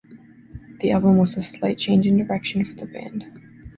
The album was a slight change in direction for the band.